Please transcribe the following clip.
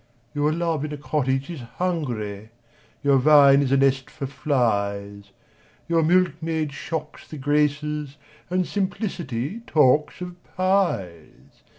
Your love in a cottage is hungry, Your vine is a nest for flies Your milkmaid shocks the Graces, And simplicity talks of pies!